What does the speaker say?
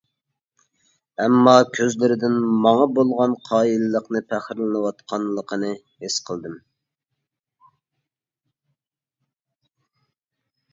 ئەمما كۆزلىرىدىن ماڭا بولغان قايىللىقىنى، پەخىرلىنىۋاتقانلىقىنى ھېس قىلدىم.